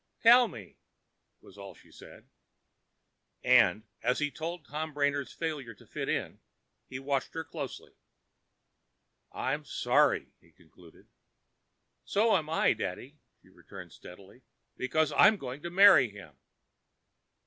"Tell me," was all she said. And, as he told Tom Brainard's failure to fit in, he watched her closely. "I'm sorry," he concluded. "So am I, daddy," she returned steadily; "because I am going to marry him."